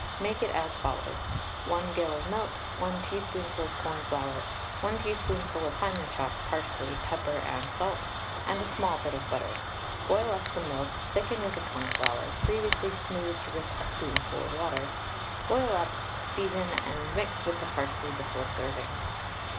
Make it as follows; 1 gill of milk, 1 teaspoonful of cornflour, 1 teaspoonful of finely chopped parsley, pepper and salt, and a small bit of butter. Boil up the milk, thicken with the cornflour, previously smoothed with a spoonful of water; boil up, season, and mix with the parsley before serving.